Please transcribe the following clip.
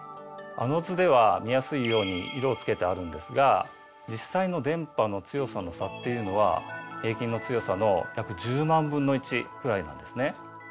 あの図では見やすいように色をつけてあるんですが実際の電波の強さの差っていうのは平均の強さの約１０万分の１くらいなんですね。